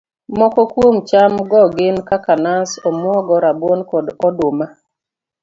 Moko kuom cham go gin kaka nas, omuogo, rabuon, kod oduma